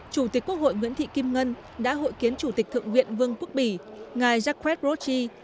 chủ tịch quốc hội nguyễn thị kim ngân đã hội kiến chủ tịch thượng viện vương quốc bỉ ngài jacques rochi